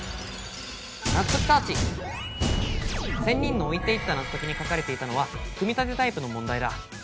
仙人の置いていったナゾトキに書かれていたのはくみたてタイプの問題だ。